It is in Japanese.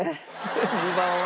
２番は。